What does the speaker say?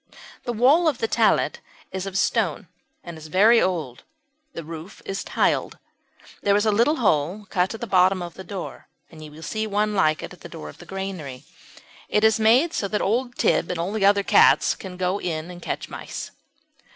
The wall of the tallet is of stone and is very old; the roof is tiled. There is a little hole cut in the bottom of the door, and you will see one like it in the door of the granary. It is made so that old Tib and the other cats can go in and catch mice.